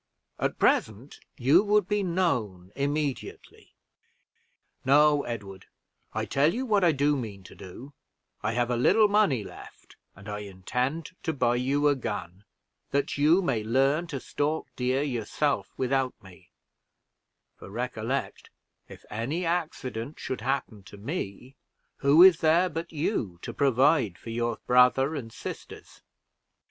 At present you would be known immediately. No, Edward, I tell you what I mean to do: I have a little money left, and I intend to buy you a gun, that you may learn to stalk deer yourself without me; for, recollect, if any accident should happen to me, who is there but you to provide for your brother and sisters?